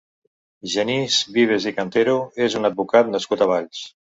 Genís Vives i Cantero és un advocat nascut a Valls.